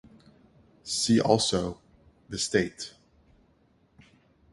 See also: "The State".